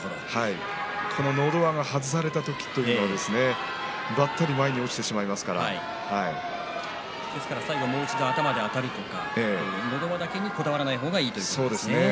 こののど輪が外された時というのはばったり前にですから最後もう一度頭であたるとか、のど輪だけにこだわらない方がいいですね。